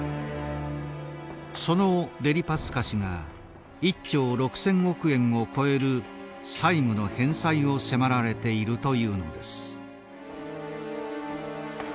そのデリパスカ氏が１兆６，０００億円を超える債務の返済を迫られているというのです。